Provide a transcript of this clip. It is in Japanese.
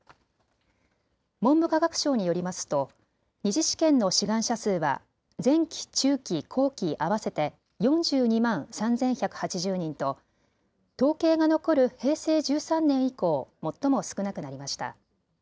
文部科学省によりますと２次試験の志願者数は前期、中期、後期合わせて４２万３１８０人と統計が残る平成１３年以降、最も少なくなりました。